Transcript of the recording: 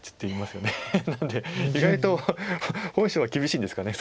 なので意外と本性は厳しいんですかね。